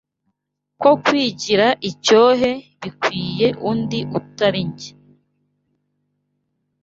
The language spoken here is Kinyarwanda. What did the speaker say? Ko kwigira icyohe Bikwiye undi utali jye